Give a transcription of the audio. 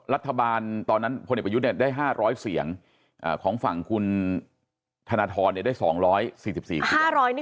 รัฐบาลตอนนั้นได้๕๐๐เสียงของฝั่งคุณธนทรเนี่ยได้๒๔๔เสียง